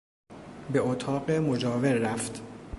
به اتاق مجاور رفت.